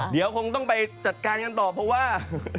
เดี๋ยวคงต้องไปจัดการกันต่อเพราะว่า